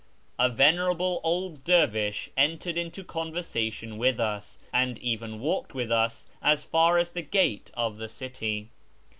A venerable old den^ish entered into conversa tion with us, and even walked with us as far as the gate of the city.